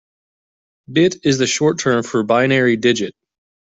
Bit is the short term for binary digit.